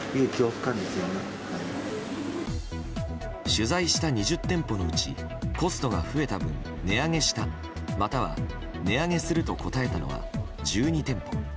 取材した２０店舗のうちコストが増えた分値上げした、または値上げすると答えたのは１２店舗。